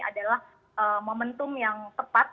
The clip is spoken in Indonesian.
adalah momentum yang tepat